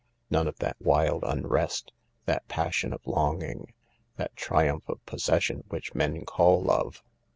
. none of that wild unrest, that passion of longing, that triumph of possession which men call love